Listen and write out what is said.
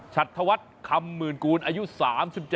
ชัดถวัดคำหมื่นกูลอายุ๓๗ปี